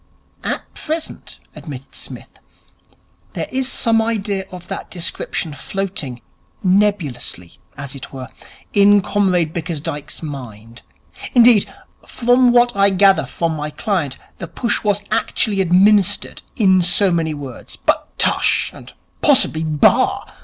'At present,' admitted Psmith, 'there is some idea of that description floating nebulously, as it were in Comrade Bickersdyke's mind. Indeed, from what I gather from my client, the push was actually administered, in so many words. But tush! And possibly bah!